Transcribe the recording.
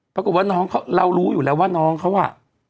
ปรากฏว่าน้องเขาเรารู้อยู่แล้วว่าน้องเขาอ่ะ